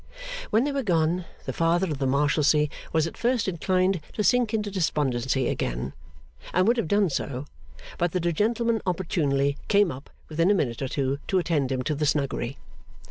When they were gone, the Father of the Marshalsea was at first inclined to sink into despondency again, and would have done so, but that a gentleman opportunely came up within a minute or two to attend him to the Snuggery.